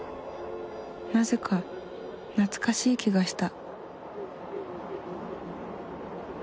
なぜか懐かしい気がした。